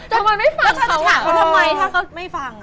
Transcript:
ทำไมไม่ฟังเขาถ้าเขาไม่ฟังอ่ะ